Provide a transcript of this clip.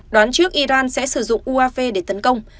đoán trước iran sẽ sử dụng uaf để tấn công